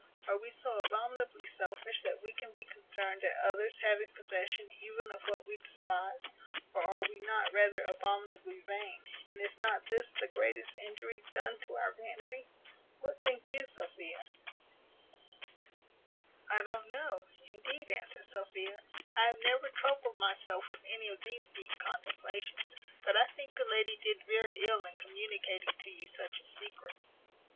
Are we so abominably selfish, that we can be concerned at others having possession even of what we despise? Or are we not rather abominably vain, and is not this the greatest injury done to our vanity? What think you, Sophia?" "I don't know, indeed," answered Sophia; "I have never troubled myself with any of these deep contemplations; but I think the lady did very ill in communicating to you such a secret."